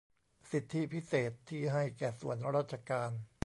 สิทธิพิเศษที่ให้แก่ส่วนราชการ